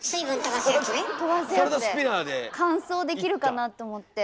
乾燥できるかなと思って。